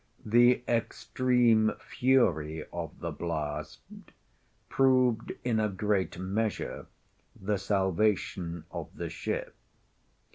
The extreme fury of the blast proved, in a great measure, the salvation of the ship.